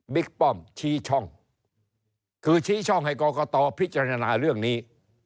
ป้อมชี้ช่องคือชี้ช่องให้กรกตพิจารณาเรื่องนี้